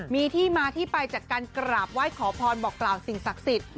มีที่มาที่ไปจากการกราบไหว้ขอพรบอกกล่าวสิ่งศักดิ์สิทธิ์